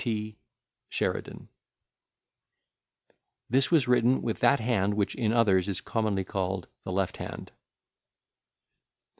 T. SHERIDAN. This was written with that hand which in others is commonly called the left hand.